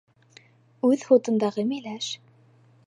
Үҙ һутындағы миләш